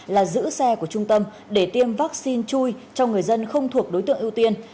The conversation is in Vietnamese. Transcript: là giữ xe của trung tâm để tiêm vaccine chui cho người dân không thuộc đối tượng ưu tiên